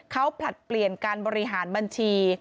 เขาผลัดเปลี่ยนการบริหารบัญชี